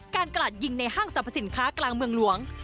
กลาดยิงในห้างสรรพสินค้ากลางเมืองหลวง